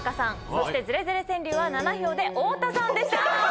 そしてズレズレ川柳は７票で太田さんでした。